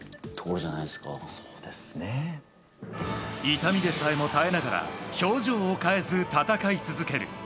痛みでさえも耐えながら表情を変えず戦い続ける。